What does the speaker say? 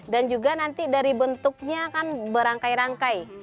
dan juga nanti dari bentuknya kan berangkai rangkai